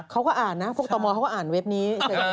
เขาก็อ่านนะพวกตมเขาก็อ่านเว็บนี้